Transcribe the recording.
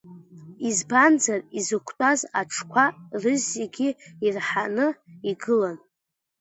Избанзар, изықәтәаз аҽқәа рызегьы ирҳаны игылан.